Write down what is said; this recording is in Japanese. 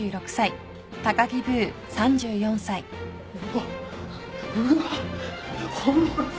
あっ。